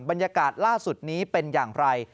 บรรยากาศล่าสุดนี้เป็นอย่างไร